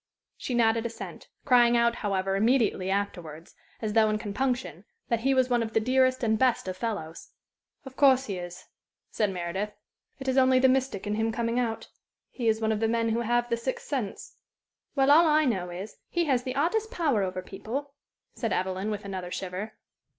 She nodded assent; crying out, however, immediately afterwards, as though in compunction, that he was one of the dearest and best of fellows. "Of course he is," said Meredith. "It is only the mystic in him coming out. He is one of the men who have the sixth sense." "Well, all I know is, he has the oddest power over people," said Evelyn, with another shiver.